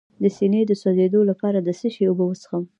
د سینې د سوځیدو لپاره د څه شي اوبه وڅښم؟